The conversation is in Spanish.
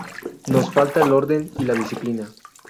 Nos falta el orden y la disciplina.